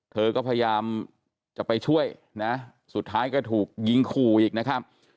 เธอก็พยายามจะไปช่วยนะสุดท้ายก็ถูกยิงขู่อีกนะครับ